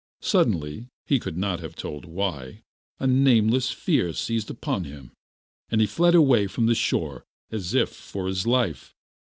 Suddenly he could not have told why a nameless fear seized upon him, and he fled away from the shore as if for his life.